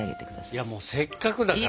いやもうせっかくだからさ。